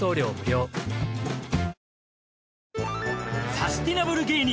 サスティナブル芸人